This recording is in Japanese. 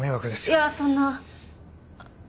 いやそんな。